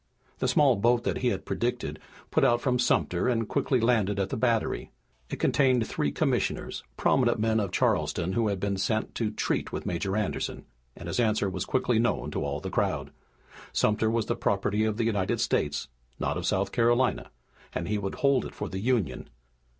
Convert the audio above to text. The small boat that he had predicted put out from Sumter and quickly landed at the Battery. It contained three commissioners, prominent men of Charleston who had been sent to treat with Major Anderson, and his answer was quickly known to all the crowd. Sumter was the property of the United States, not of South Carolina, and he would hold it for the Union.